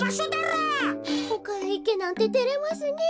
ほかへいけなんててれますねえ。